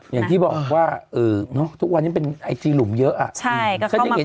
อย่างที่บอกว่าทุกวันนี้เป็นไอจีหลุมเยอะใช่ก็เข้ามาคอมเมนต์